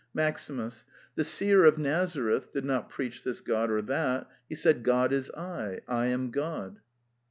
MAXIMUS. The seer of Nazareth did not preach this god or that: he said '^God is I: I am God."